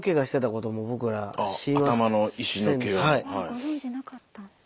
ご存じなかった。